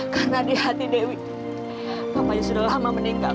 karena di hati dewi papanya sudah lama meninggal